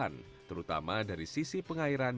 metode dengkan aliran